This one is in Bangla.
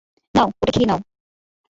নাও, ওটা খেয়ে নাও।